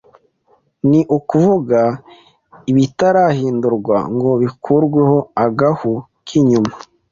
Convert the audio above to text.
ni ukuvuga ibitarahindurwa ngo bikurweho agahu k’inyuma,